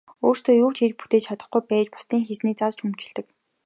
Өөрсдөө юу ч хийж бүтээж чадахгүй байж бусдын хийснийг зад шүүмжилдэг.